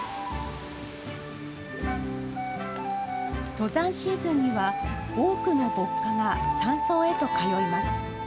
登山シーズンには、多くの歩荷が山荘へと通います。